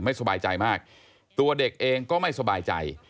สบายใจมากตัวเด็กเองก็ไม่สบายใจ